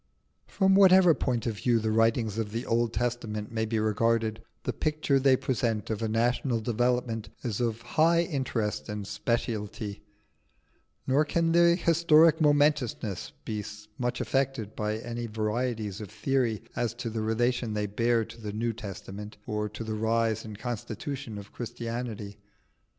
From whatever point of view the writings of the Old Testament may be regarded, the picture they present of a national development is of high interest and speciality, nor can their historic momentousness be much affected by any varieties of theory as to the relation they bear to the New Testament or to the rise and constitution of Christianity.